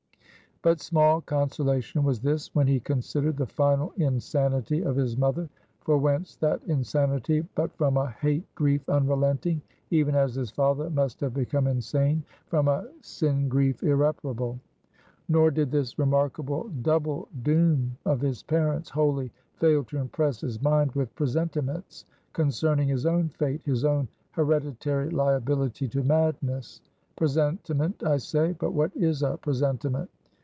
But small consolation was this, when he considered the final insanity of his mother; for whence that insanity but from a hate grief unrelenting, even as his father must have become insane from a sin grief irreparable? Nor did this remarkable double doom of his parents wholly fail to impress his mind with presentiments concerning his own fate his own hereditary liability to madness. Presentiment, I say; but what is a presentiment?